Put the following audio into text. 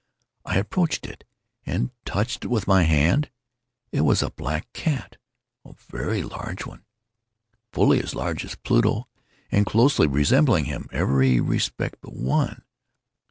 I approached it, and touched it with my hand. It was a black cat—a very large one—fully as large as Pluto, and closely resembling him in every respect but one.